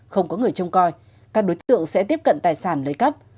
không có người trông coi các đối tượng sẽ tiếp cận tài sản lấy cấp